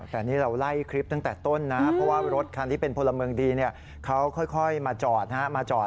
แต่นี่เราไล่คลิปตั้งแต่ต้นนะเพราะว่ารถคันที่เป็นพลเมืองดีเขาค่อยมาจอดมาจอด